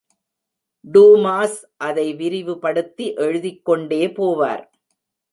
Dumas அதை விரிவுபடுத்தி எழுதிக் கொண்டே போவார்.